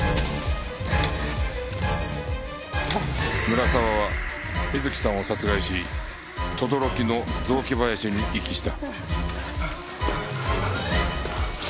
村沢は瑞希さんを殺害し等々力の雑木林に遺棄した。